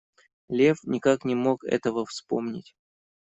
Лев никак не мог этого вспомнить.